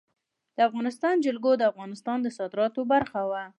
د افغانستان جلکو د افغانستان د صادراتو برخه ده.